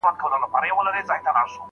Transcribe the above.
قرآني قصې عبرت لرونکي دي.